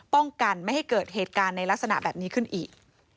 ป้องกันไม่ให้เกิดเหตุการณ์ในลักษณะแบบนี้ขึ้นอีก